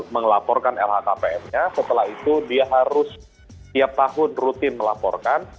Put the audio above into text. melaporkan lhkpn nya setelah itu dia harus tiap tahun rutin melaporkan